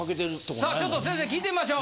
さあちょっと先生に聞いてみましょう。